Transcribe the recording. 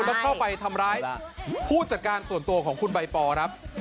แล้วเข้าไปทำร้ายผู้จัดการส่วนตัวของคุณใบปอครับ